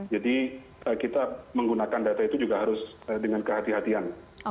jadi kita menggunakan data itu juga harus dengan kehatian